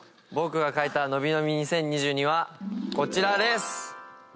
僕が描いたのびのび２０２２はこちらです。